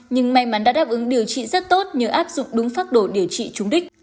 nhưng may mắn đã đáp ứng điều trị rất tốt nhờ áp dụng đúng phác đồ điều trị trúng đích